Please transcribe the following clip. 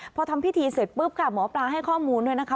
พอทำพิธีเสร็จปุ๊บค่ะหมอปลาให้ข้อมูลด้วยนะคะ